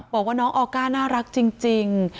บอกว่าน้องออก้าน่ารักจริง